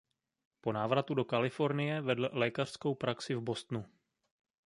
Po návratu do Kalifornie vedl lékařskou praxi v Bostonu.